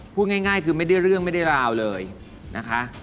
พูดง่ายคือไม่ได้เรื่องไม่ได้ราวเลยนะคะ